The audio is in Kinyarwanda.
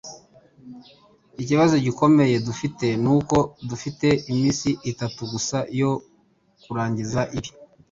Ikibazo gikomeye dufite nuko dufite iminsi itatu gusa yo kurangiza ibi